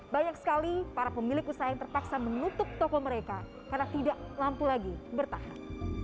banyak sekali para pemilik usaha yang terpaksa menutup toko mereka karena tidak lampu lagi bertahan